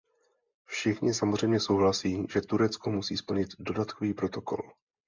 Všichni samozřejmě souhlasíme, že Turecko musí splnit dodatkový protokol.